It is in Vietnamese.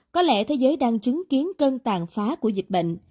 có lẽ thế giới đang chứng kiến cơn tàn phá của dịch bệnh